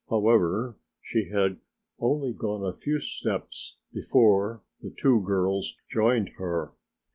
However, she had only gone a few steps before the two girls joined her.